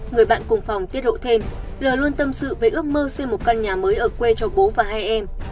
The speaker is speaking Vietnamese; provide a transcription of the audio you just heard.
người bạn cùng phòng tiết hậu thêm lời luôn tâm sự với ước mơ xây một căn nhà mới ở quê cho bố và hai em